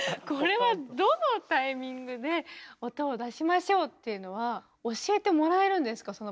これはどのタイミングで音を出しましょうっていうのは教えてもらえるんですか？